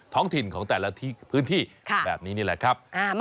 ท้องถิ่นของแต่ละพื้นที่แบบนี้นี่แหละครับ